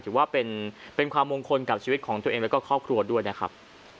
ถือว่าเป็นความมงคลกับชีวิตของตัวเองแล้วก็ครอบครัวด้วยนะครับ